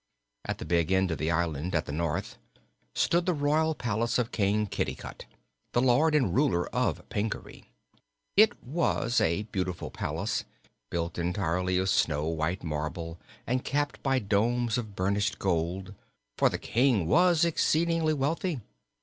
At the big end of the island, at the north, stood the royal palace of King Kitticut, the lord and ruler of Pingaree. It was a beautiful palace, built entirely of snow white marble and capped by domes of burnished gold, for the King was exceedingly wealthy.